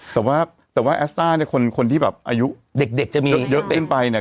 แต่ว่าแต่ว่าแอสต้าเนี่ยคนที่แบบอายุเด็กจะมีเยอะเต้นไปเนี่ย